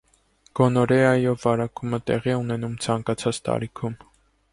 Գոնորեայով վարակումը տեղի է ունենում ցանկացած տարիքում։